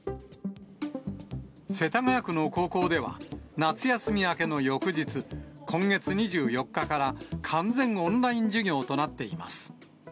世田谷区の高校では、夏休み明けの翌日、今月２４日から、完全オンライン授業となっています。